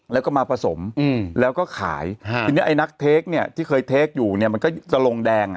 แล้วก็มาผสมแล้วก็ขายทีนี้ไอ้นักเทคเนี่ยที่เคยเทคอยู่เนี่ยมันก็จะลงแดงอ่ะ